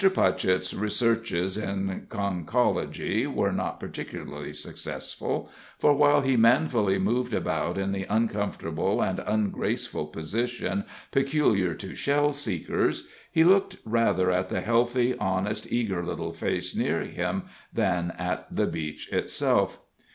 Putchett's researches in conchology were not particularly successful, for while he manfully moved about in the uncomfortable and ungraceful position peculiar to shell seekers, he looked rather at the healthy, honest, eager little face near him than at the beach itself.